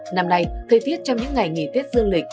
năm nay thời tiết trong những ngày nghỉ tết dương lịch